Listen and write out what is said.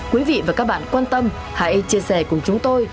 quý vị và các bạn quan tâm hãy chia sẻ cùng chúng tôi